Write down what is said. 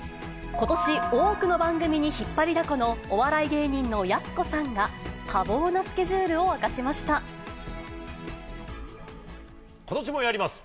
ことし、多くの番組に引っ張りだこのお笑い芸人のやす子さんが、多忙なスことしもやります。